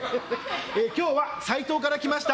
今日は、サイトウから来ました。